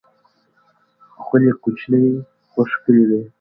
خونې کوچنۍ خو ښکلې وې.